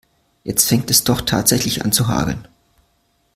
Jetzt fängt es doch tatsächlich an zu hageln.